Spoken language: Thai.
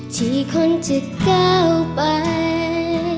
ที่คนจะก้าวไป